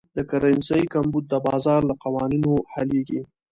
د کرنسۍ کمبود د بازار له قوانینو حلېږي.